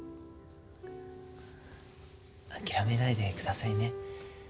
あきらめないでくださいね。